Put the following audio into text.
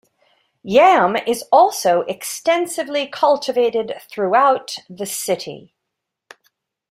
Yam is also extensively cultivated throughout the city.